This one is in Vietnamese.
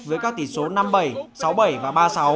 với các tỷ số năm bảy sáu bảy và ba sáu